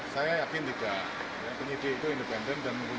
saya katakan tadi kalau dia ada bukti ada saksi pasti diposes